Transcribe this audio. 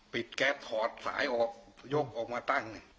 แก๊สถอดสายออกยกออกมาตั้ง